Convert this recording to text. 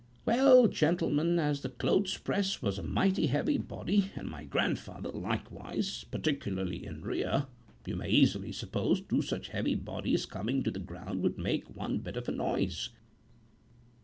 "Well, gentlemen, as the clothes press was a mighty heavy body, and my grandfather likewise, particularly in rear, you may easily suppose two such heavy bodies coming to the ground would make a bit of a noise.